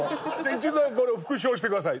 一度これを復唱してください。